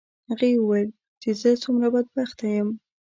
هغه وویل چې زه څومره بدبخته یم.